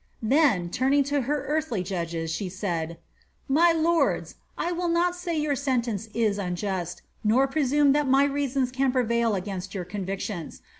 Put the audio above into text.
'' Then, turning to her earthly judges, she said, *^ My lords, 1 will not say your sentence is unjust, nor presume that my reasons can prevail against your convictions.